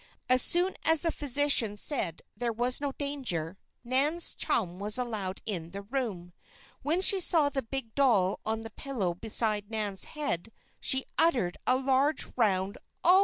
As soon as the physician said there was no danger, Nan's chum was allowed in the room. When she saw the big doll on the pillow beside Nan's head, she uttered a large, round "O!"